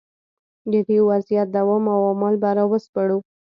د دې وضعیت دوام او عوامل به را وسپړو.